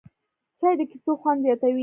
چای د کیسو خوند زیاتوي